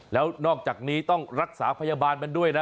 แล้วนอกจากนี้ต้องรักษาพยาบาลมันด้วยนะ